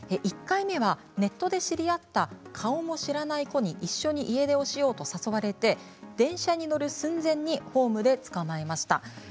１回目は、ネットで知り合った顔も知らない子に一緒に家出をしようと誘われて電車に乗る寸前にホームでつかまえました。